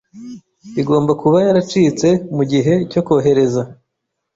Igomba kuba yaracitse mugihe cyo kohereza.